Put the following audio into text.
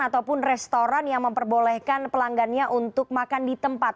ataupun restoran yang memperbolehkan pelanggannya untuk makan di tempat